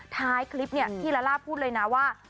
ท้ายคลิปเนี่ยพี่ลาล่าพูดเลยนะว่า